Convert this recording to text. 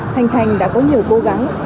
thanh thanh đã có nhiều cố gắng